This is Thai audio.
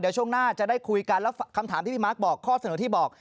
เดี๋ยวช่วงหน้าจะได้คุยกันแล้วคำถามที่พี่มาร์คบอกข้อเสนอที่บอก